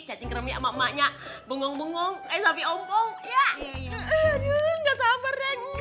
cacing kremi sama emaknya bengong bengong eh sapi ompong ya aduh enggak sabar neng aduh neng ya allah